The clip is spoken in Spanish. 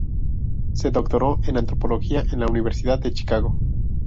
Se doctoró en antropología en la Universidad de Chicago.